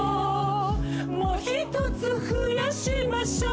「もひとつ増やしましょう」